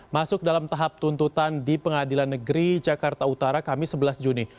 masuk dalam tahap tuntutan di pengadilan negeri jakarta utara kamis sebelas juni